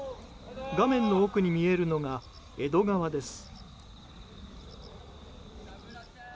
画面の奥に見えるのが江戸川です。